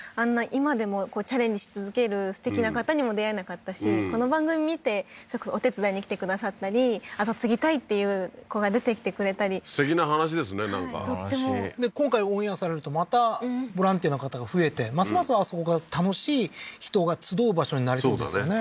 今でもチャレンジし続けるすてきな方にも出会えなかったしこの番組見てお手伝いに来てくださったり後継ぎたいっていう子が出てきてくれたりすてきな話ですねなんかとっても今回オンエアされるとまたボランティアの方が増えてますますあそこが楽しい人が集う場所になりそうですね